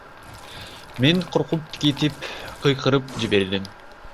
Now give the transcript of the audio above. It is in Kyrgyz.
Мен коркуп кетип, кыйкырып жибердим.